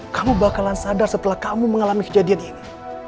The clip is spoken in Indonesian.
kamu bakalan sadar setelah kamu mengalami kejadian ini